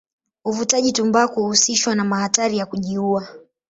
Uvutaji tumbaku huhusishwa na hatari ya kujiua.